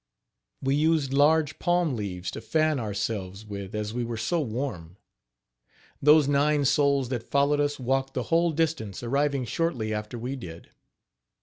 " We used large palm leaves to fan ourselves with, as we were so warm. Those nine souls that followed us walked the whole distance, arriving shortly after we did.